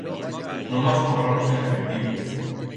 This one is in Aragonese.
Nomás cobramos en efectivo